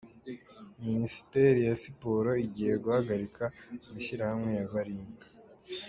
Minisiteri ya Siporo igiye guhagarika amashyirahamwe ya baringa